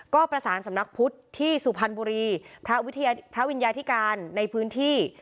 ก็ประสานสำนักพุทธที่สุพรรณบุรีพระวิญญาธิการในพื้นที่